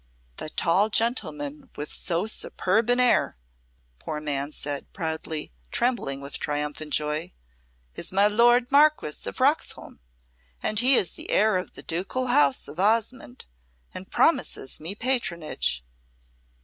"The tall gentleman with so superb an air," the poor man said, proudly, trembling with triumphant joy, "is my lord Marquess of Roxholm, and he is the heir of the ducal house of Osmonde, and promises me patronage."